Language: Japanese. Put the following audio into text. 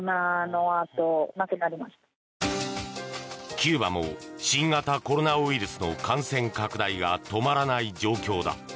キューバも新型コロナウイルスの感染拡大が止まらない状況だ。